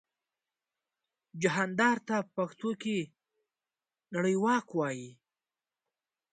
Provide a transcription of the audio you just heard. جهاندار ته په پښتو کې نړیواک وايي.